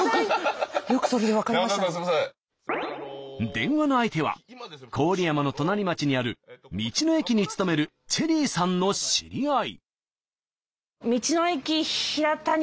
電話の相手は郡山の隣町にある道の駅に勤めるチェリーさんの知り合い。